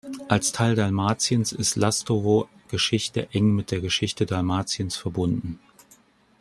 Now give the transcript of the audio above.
Als Teil Dalmatiens ist Lastovo Geschichte eng mit der Geschichte Dalmatiens verbunden.